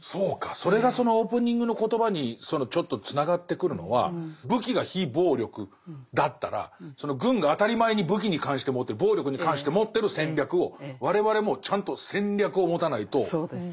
それがそのオープニングの言葉にちょっとつながってくるのは「武器」が非暴力だったらその軍が当たり前に武器に関して持ってる暴力に関して持ってる戦略を我々もちゃんと戦略を持たないと駄目だっていうこと。